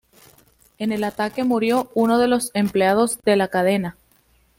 En el ataque murió uno de los empleados de la cadena.